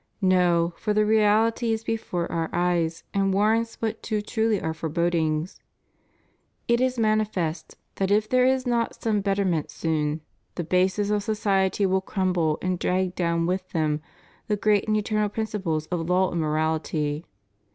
No; for the reality is before our eyes and warrants but too truly Our forebodings. It is manifest that if there is not some betterment soon, the bases of society will crumble and drag down with them the great and eternal principles of law and morality.